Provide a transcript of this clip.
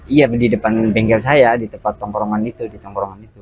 iya di depan bengkel saya di tempat tongkorongan itu di tongkrongan itu